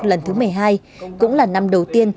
lần thứ một mươi hai cũng là năm đầu tiên